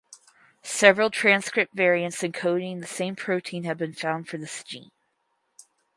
Several transcript variants encoding the same protein have been found for this gene.